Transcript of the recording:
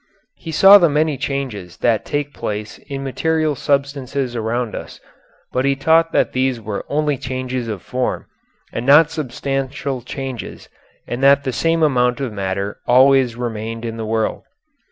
He saw the many changes that take place in material substances around us, but he taught that these were only changes of form and not substantial changes and that the same amount of matter always remained in the world.